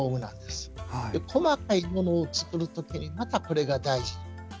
細かいものを作る時にまたこれが大事。